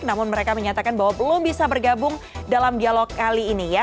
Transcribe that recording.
namun mereka menyatakan bahwa belum bisa bergabung dalam dialog kali ini ya